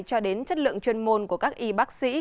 cho đến chất lượng chuyên môn của các y bác sĩ